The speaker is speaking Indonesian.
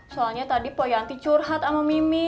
soalnya tadi poyanti curhat sama mimin